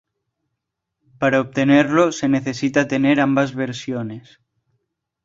Para obtenerlo, se necesita tener ambas versiones.